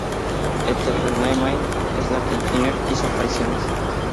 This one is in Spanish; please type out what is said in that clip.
Entertainment, en la que Jenner hizo apariciones.